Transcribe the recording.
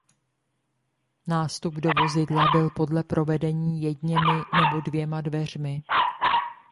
Nástup do vozidla byl podle provedení jedněmi nebo dvěma dveřmi.